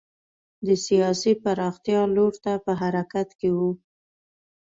د سیاسي پراختیا لور ته په حرکت کې و.